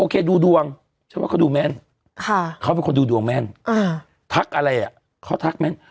ดูดวงฉันว่าเขาดูแม่นเขาเป็นคนดูดวงแม่นทักอะไรอ่ะเขาทักแม่น